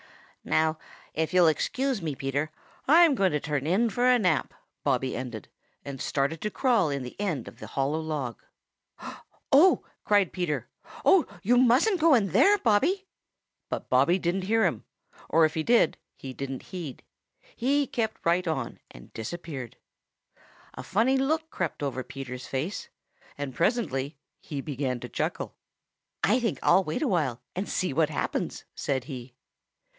"Now, if you'll excuse me, Peter, I'm going to turn in for a nap," Bobby ended, and started to crawl in the end of the hollow log. "Oh!" cried Peter. "Oh, you mustn't go in there, Bobby!" But Bobby didn't hear him, or if he did he didn't heed. He kept right on and disappeared. A funny look crept over Peter's face, and presently he began to chuckle. "I think I'll wait awhile and see what happens," said he.